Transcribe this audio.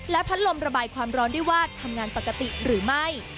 และพัดลมระบายความร้อนได้ว่าทำงานปกติหรือไม่